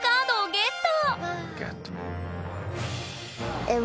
ゲット。